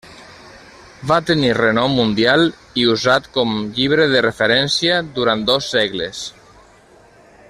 Va tenir renom mundial i usat com llibre de referència durant dos segles.